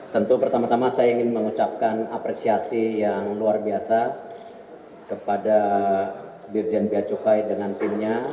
tentu pertama tama saya ingin mengucapkan apresiasi yang luar biasa kepada dirjen bia cukai dengan timnya